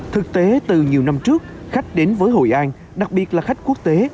thực tế từ nhiều năm trước khách đến với hội an đặc biệt là khách quốc tế